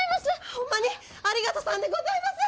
ホンマにありがとさんでございます！